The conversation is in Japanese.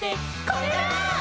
「これだー！」